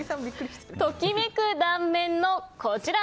ときめく断面の、こちら。